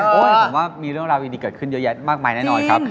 ผมว่ามีเรื่องราวดีเกิดขึ้นเยอะแยะมากมายแน่นอนครับ